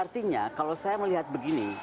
artinya kalau saya melihat begini